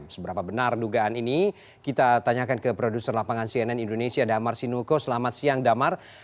seberapa benar dugaan ini kita tanyakan ke produser lapangan cnn indonesia damar sinuko selamat siang damar